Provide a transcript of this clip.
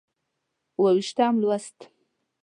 اووه ویشتم لوست